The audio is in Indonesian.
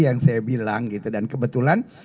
yang saya bilang gitu dan kebetulan